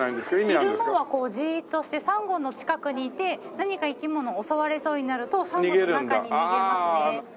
昼間はこうじーっとしてサンゴの近くにいて何か生き物襲われそうになるとサンゴの中に逃げますね。